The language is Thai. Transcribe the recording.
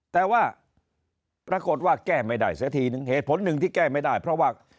แต่ว่าปรากฏว่าแก้ไม่ได้เสียทีนึงเหตุผลหนึ่งที่แก้ไม่ได้เพราะว่า